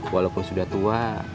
walaupun sudah tua